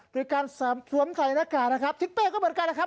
โดยการสวมใส่หน้ากากนะครับทิเป้ก็เหมือนกันนะครับ